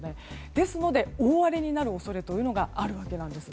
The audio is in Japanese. ですので、大荒れになる恐れがあるわけです。